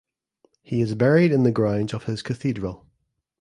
He is buried in the grounds of his cathedral.